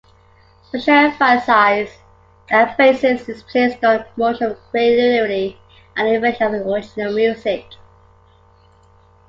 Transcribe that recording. Special emphasis is placed on the promotion of creativity and the invention of original music.